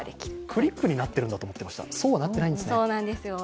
クリップになっているんだと思っていました、そうはなっていないんですね。